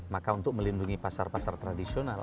maka untuk melindungi pasar pasar tradisional